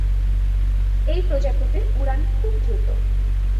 এই প্রজাতির উড়ান খুব দ্রুত।